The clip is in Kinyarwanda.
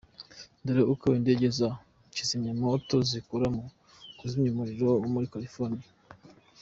Dore uko indege za kizimyamoto zikora mu kuzimya umuriro muri California.